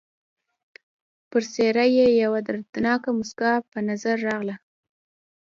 پر څېره یې یوه دردناکه مسکا په نظر راغله.